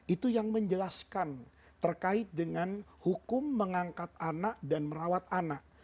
itu yang menjelaskan terkait dengan hukum mengangkat anak dan merawat anak